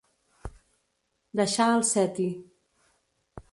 Deixar al seti.